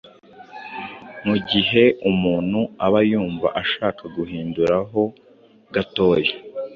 mu gihe umuntu aba yumva ashaka guhindura ho gatoya